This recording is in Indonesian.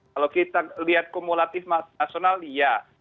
kalau kita lihat kumulatif nasional iya